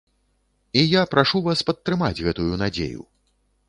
І я прашу вас падтрымаць гэтую надзею.